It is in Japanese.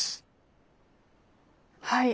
はい。